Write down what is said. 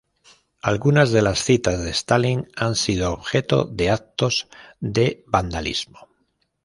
Algunas de las citas de Stalin han sido objeto de actos de vandalismo.